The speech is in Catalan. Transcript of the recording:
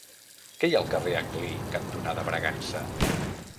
Què hi ha al carrer Anglí cantonada Bragança?